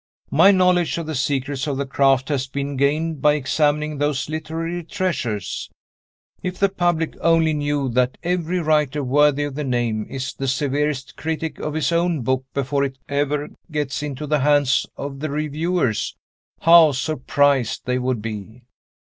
My knowledge of the secrets of the craft has been gained by examining those literary treasures. If the public only knew that every writer worthy of the name is the severest critic of his own book before it ever gets into the hands of the reviewers, how surprised they would be!